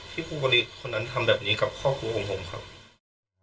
ครูบริษคนนั้นทำแบบนี้กับครอบครัวของผมครับ